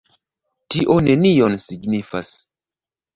Tio nenion signifas.